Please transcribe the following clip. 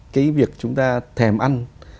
cái việc chúng ta thèm ăn